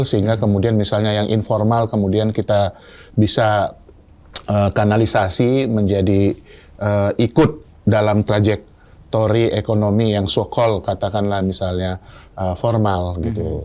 sehingga kemudian misalnya yang informal kemudian kita bisa kanalisasi menjadi ikut dalam trajektori ekonomi yang so call katakanlah misalnya formal gitu